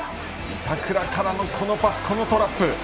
板倉からのパス、浅野のトラップ。